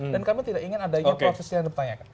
dan kami tidak ingin adanya proses yang dipertanyakan